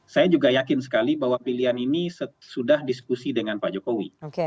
saya juga yakin sekali bahwa pilihan ini setidaknya akan berhasil